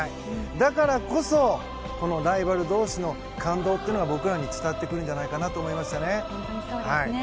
だからこそライバル同士の感動というのが僕らに伝わってくるんじゃないかと思いましたね。